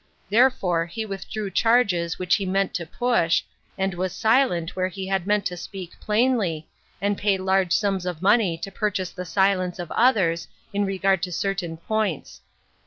Therefore he withdrew charges which he had meant to push, and was silent where he had meant to speak plainly, and paid large sums of money to purchase the silence of others, in regard to certain points.